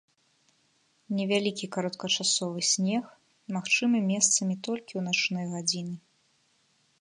Невялікі кароткачасовы снег магчымы месцамі толькі ў начныя гадзіны.